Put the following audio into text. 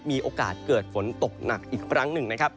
มีโอกาสเกิดฝนตกหนักอีกครั้งหนึ่งนะครับ